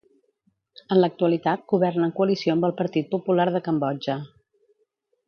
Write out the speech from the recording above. En l'actualitat governa en coalició amb el Partit Popular de Cambodja.